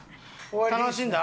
楽しんだ？